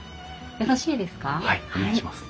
よろしいですか？